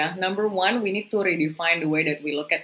pertama kita harus mengganti cara kita melihat